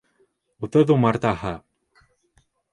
Утыҙ умартаһы.